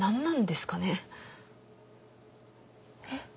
えっ？